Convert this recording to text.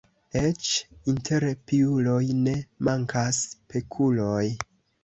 Eĉ inter piuloj ne mankas pekuloj.